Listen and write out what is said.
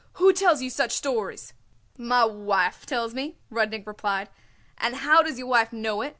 "Who tells you such stories?" "My wife tells me," Rudnik replied. "And how does your wife know it?"